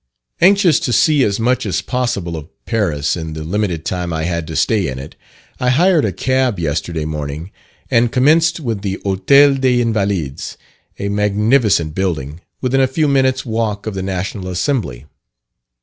Anxious to see as much as possible of Paris in the limited time I had to stay in it, I hired a cab yesterday morning and commenced with the Hotel des Invalids, a magnificent building, within a few minutes' walk of the National Assembly.